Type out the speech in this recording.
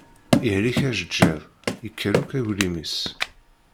Yehlek ajeǧǧiḍ, yekker akk uglim-is.